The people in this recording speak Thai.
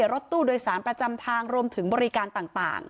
รถตู้โดยสารประจำทางรวมถึงบริการต่าง